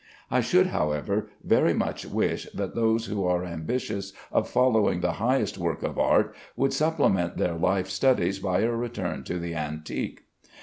I should, however, very much wish that those who are ambitious of following the highest walk of art would supplement their life studies by a return to the antique.